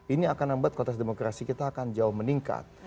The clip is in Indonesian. ini akan membuat kontes demokrasi kita akan jauh meningkat